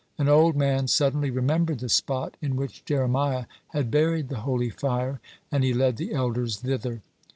An old man suddenly remembered the spot in which Jeremiah had buried the holy fire, and he led the elders thither.